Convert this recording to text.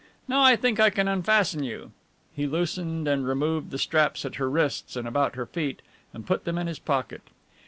Now I think I can unfasten you." He loosened and removed the straps at her wrists and about her feet and put them in his pocket.